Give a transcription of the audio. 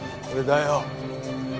これだよ。